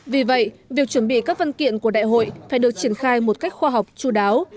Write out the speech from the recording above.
vì vậy việc chuẩn bị các văn kiện của đại hội phải được triển khai một cách khoa học chú đáo